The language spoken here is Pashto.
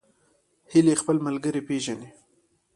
هیلۍ خپل ملګري پیژني